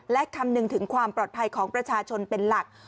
และคำนึงถึงความปลอดภัยของประชาชนเป็นหลัก